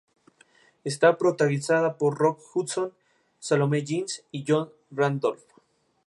Está protagonizada por Rock Hudson, Salome Jens y John Randolph.